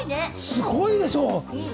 すごいでしょ？